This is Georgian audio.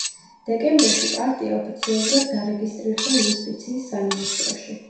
დეკემბერში პარტია ოფიციალურად დარეგისტრირდა იუსტიციის სამინისტროში.